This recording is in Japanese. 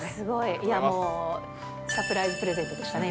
いやもう、サプライズプレゼントでしたね、今。